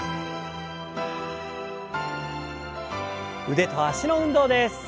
腕と脚の運動です。